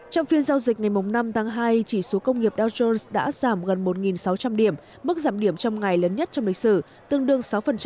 trong phiên giao dịch ngày năm tháng hai chỉ số công nghiệp dow jones đã giảm gần một sáu trăm linh điểm mức giảm điểm trong ngày lớn nhất trong lịch sử tương đương sáu